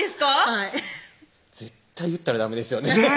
はい絶対言ったらダメですよねねぇ！